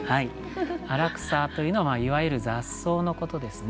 「あらくさ」というのはいわゆる雑草のことですね。